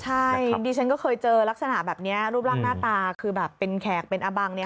ใช่ดิฉันก็เคยเจอลักษณะแบบนี้รูปร่างหน้าตาคือแบบเป็นแขกเป็นอบัง